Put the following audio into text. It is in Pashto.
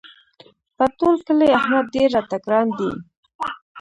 په ټول کلي احمد ډېر راته ګران دی.